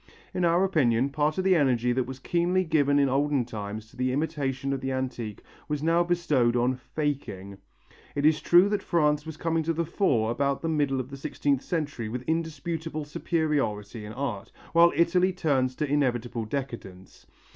In our opinion, part of the energy that was keenly given in olden times to the imitation of the antique was now bestowed on "faking." It is true that France was coming to the fore about the middle of the sixteenth century with indisputable superiority in art, while Italy turns to inevitable decadence.